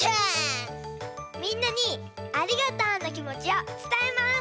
みんなにありがとうのきもちをつたえます！